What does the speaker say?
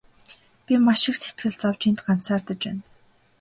Би маш их сэтгэл зовж энд ганцаардаж байна.